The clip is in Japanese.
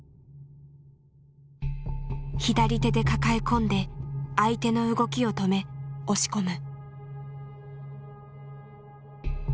左手で抱え込んで相手の動きを止め押し込む。